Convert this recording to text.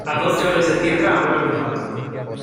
a doce horas de tierra a vuelo de pato.